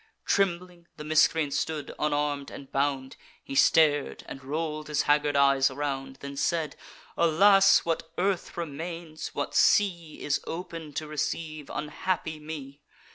Trembling the miscreant stood, unarm'd and bound; He star'd, and roll'd his haggard eyes around, Then said: 'Alas! what earth remains, what sea Is open to receive unhappy me?